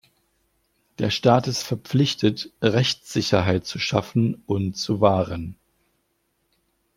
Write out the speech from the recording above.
Der Staat ist verpflichtet, Rechtssicherheit zu schaffen und zu wahren.